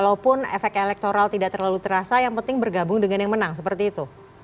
walaupun efek elektoral tidak terlalu terasa yang penting bergabung dengan yang menang seperti itu